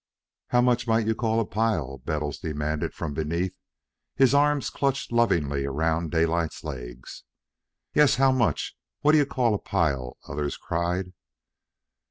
"How much might you call a pile?" Bettles demanded from beneath, his arms clutched lovingly around Daylight's legs. "Yes, how much? What do you call a pile?" others cried.